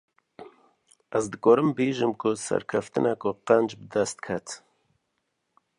Ez dikarim bêjim ku serkeftineke qenc, bi dest ket